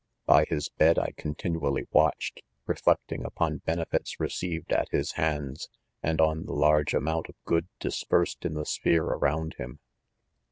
By Ms bed I continually watched, . reflecting upon benefits received at his hands, and on the large amount ,of good dispersed, in the sphere around him.